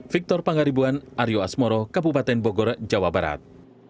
victor pangaribuan aryo asmoro kabupaten bogor jawa barat